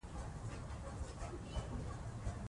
شرکتي مالي چارې د سوداګرۍ لپاره دي.